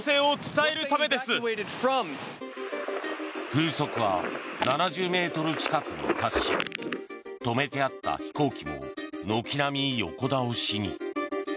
風速は７０ｍ近くに達し止めてあった飛行機も軒並み横倒しに。